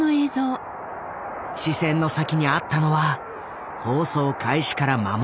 視線の先にあったのは放送開始から間もないテレビジョンだ。